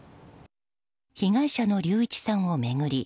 被害者の隆一さんを巡り